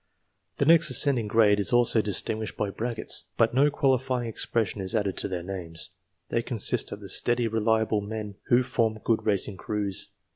The next ascending grade is also distinguished by brackets [], but no qualifying expression is added to their names. They consist of the steady, reliable men who form good racing crews.